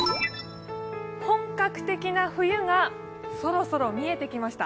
本格的な冬がそろそろ見えてきました。